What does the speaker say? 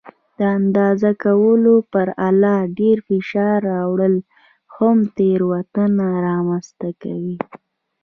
د اندازه کولو پر آله ډېر فشار راوړل هم تېروتنه رامنځته کوي.